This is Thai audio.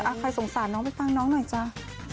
ใครสงสารน้องไปฟังน้องหน่อยจ้า